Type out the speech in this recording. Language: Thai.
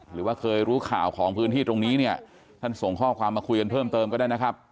หรือว่าเคยรู้ข่าวของพื้นที่ตรงนี้เนี่ยท่านส่งข้อความมาคุยกันเพิ่มเติมก็ได้นะครับ